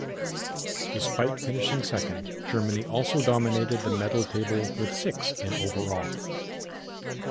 Despite finishing second, Germany also dominated the medal table with six in overall.